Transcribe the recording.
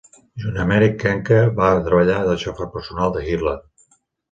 Junt amb Erich Kempka, va treballar de xofer personal de Hitler.